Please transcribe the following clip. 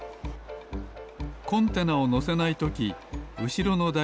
コンテナをのせないときうしろのだ